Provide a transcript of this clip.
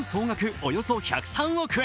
およそ１０３億円。